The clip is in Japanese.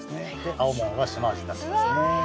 青物はシマアジですね。